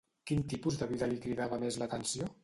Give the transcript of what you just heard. Quin tipus de vida li cridava més l'atenció?